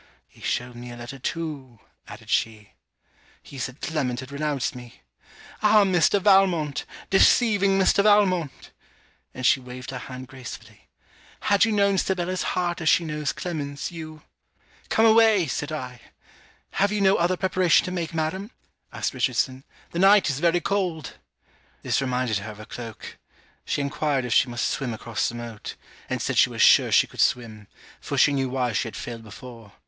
'He showed me a letter too,' added she. 'He said Clement had renounced me. Ah, Mr. Valmont! deceiving Mr. Valmont!' and she waved her hand gracefully 'had you known Sibella's heart as she knows Clement's, you .' 'Come away!' said I. 'Have you no other preparation to make, madam?' asked Richardson; 'the night is very cold.' This reminded her of a cloak. She enquired if she must swim across the moat; and said she was sure she could swim; for she knew why she had failed before.